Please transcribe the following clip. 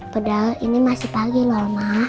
padahal ini masih pagi loh ma